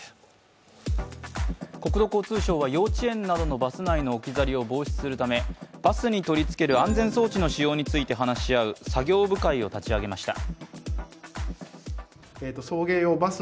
国土交通省は幼稚園などのバス内の置き去りを防止するためバスに取り付ける安全装置の仕様について話し合う作業部会を立ち上げました。